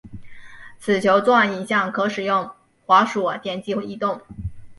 此球状影像可使用滑鼠点击移动。